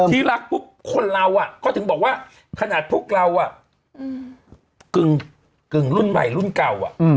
ที่รักปุ๊บคนเราก็ถึงบอกว่าขนาดพวกเรากึ่งรุ่นใหม่รุ่นเก่า